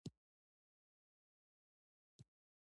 کلتور د افغانستان د صنعت لپاره ډېر اړین مواد په پوره توګه برابروي.